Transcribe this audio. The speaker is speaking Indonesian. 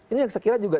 ini saya kira juga